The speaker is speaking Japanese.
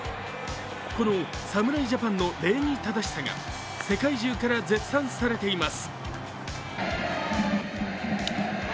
この侍ジャパンの礼儀正しさが世界中から絶賛されています。